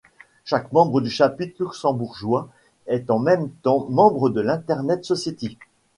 Chaque membre du chapitre luxembourgeois est en même temps membre de l’Internet Society.